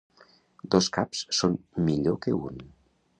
Dos caps són millor que un.